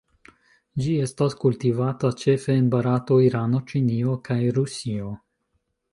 Ĝi estas kultivata ĉefe en Barato, Irano, Ĉinio, kaj Rusio.